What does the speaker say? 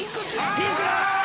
ピンクだ！